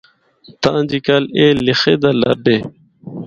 تاں جی کال ایہہ لخے دا لبھے۔